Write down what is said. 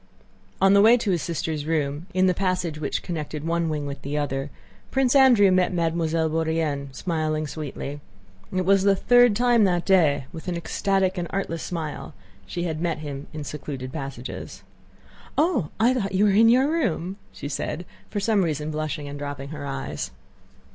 On the way to his sister's room, in the passage which connected one wing with the other, Prince Andrew met Mademoiselle Bourienne smiling sweetly. It was the third time that day that, with an ecstatic and artless smile, she had met him in secluded passages. "Oh! I thought you were in your room," she said, for some reason blushing and dropping her eyes.